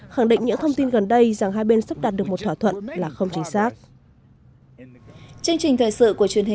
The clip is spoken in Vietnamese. khẳng định những thông tin gần đây rằng hai bên sắp đạt được một thỏa thuận là không chính xác